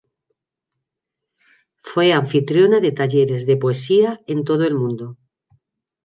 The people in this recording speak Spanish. Fue anfitriona de talleres de poesía en todo el mundo.